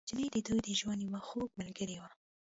چیني د دوی د ژوند یو خوږ ملګری و.